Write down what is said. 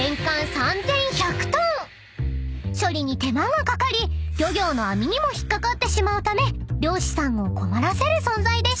［処理に手間がかかり漁業の網にも引っ掛かってしまうため漁師さんを困らせる存在でした］